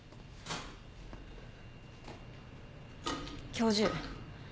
教授。